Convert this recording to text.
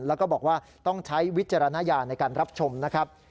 แล้วก็บอกว่าต้องใช้วิจารณญาณในการรับชมนะครับ